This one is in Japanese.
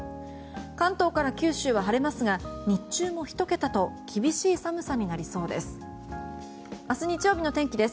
関東から九州は晴れますが日中も１桁と厳しい寒さになりそうです。